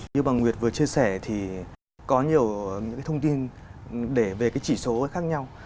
như bà nguyệt vừa chia sẻ thì có nhiều những cái thông tin để về cái chỉ số khác nhau